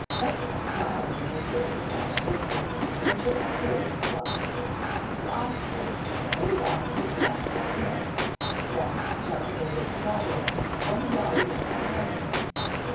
Metcalfe smiled as he heard the latch lifted, and took the pillion from her. The ostler put it on his master's mare, then jumping into the saddle, swung Dolly up behind him.